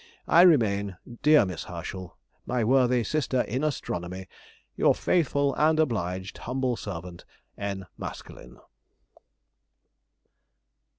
I remain, dear Miss Herschel, My worthy sister in astronomy, Your faithful and obliged humble servant, N. MASKELYNE.